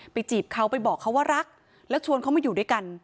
จีบเขาไปบอกเขาว่ารักแล้วชวนเขามาอยู่ด้วยกัน